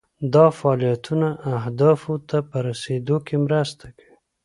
دا فعالیتونه اهدافو ته په رسیدو کې مرسته کوي.